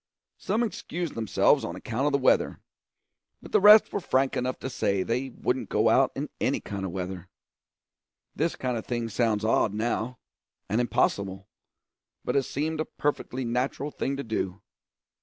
Some excused themselves on account of the weather; but the rest were frank enough to say they wouldn't go in any kind of weather. This kind of thing sounds odd now, and impossible, but it seemed a perfectly natural thing to do.